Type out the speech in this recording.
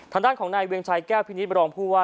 ทางด้านของนายเวียงชัยแก้วพินิษฐรองผู้ว่า